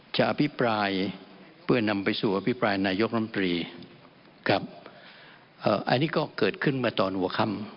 อภิปรายเพื่อนำไปสู่อภิปรายนายกรรมตรีครับอันนี้ก็เกิดขึ้นมาตอนหัวค่ำ